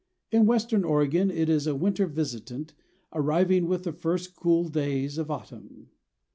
In western Oregon it is a winter visitant, arriving with the first cool days of autumn.